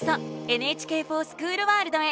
「ＮＨＫｆｏｒＳｃｈｏｏｌワールド」へ。